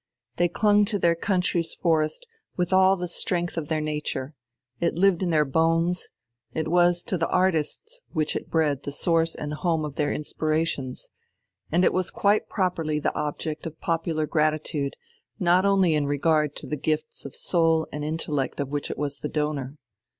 They clung to their country's forest with all the strength of their nature; it lived in their bones, it was to the artists which it bred the source and home of their inspirations, and it was quite properly the object of popular gratitude, not only in regard to the gifts of soul and intellect of which it was the donor.